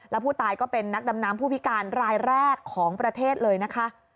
แล้วผู้ตายก็เป็นนักดำน้ำผู้พิการรายแรกของประเทศเลยนะคะ